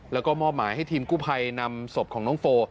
แล้วก็มอบหมายให้ทีมกู้ภัยนำศพของน้องโฟ